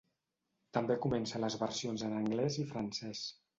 També comença les versions en anglès i francès.